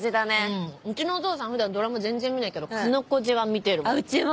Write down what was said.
うんうちのお父さん普段ドラマ全然見ないけど『かのこじ』は見てるもん。